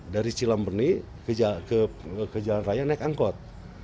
dari cilamberni ke jalan raya naik angkot